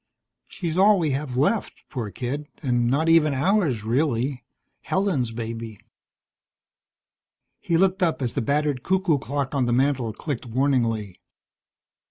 She's all we have left, poor kid, and not even ours, really. Helen's baby. He looked up as the battered cuckoo clock on the mantel clicked warningly.